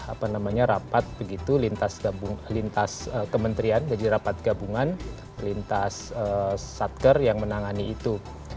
apa namanya rapat begitu lintas kementerian jadi rapat gabungan lintas satker yang menangani itu